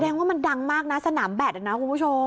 ว่ามันดังมากนะสนามแบตนะคุณผู้ชม